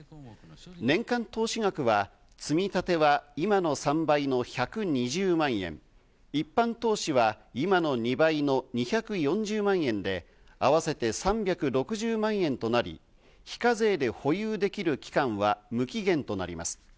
年間投資額は積み立ては今の３倍の１２０万円、一般投資は今の２倍の２４０万円で、合わせて３６０万円となり、非課税で保有できる期間は無期限となります。